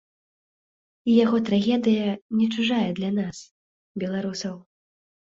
І яго трагедыя не чужая для нас, беларусаў.